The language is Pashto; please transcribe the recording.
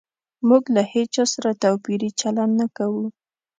موږ له هيچا سره توپيري چلند نه کوو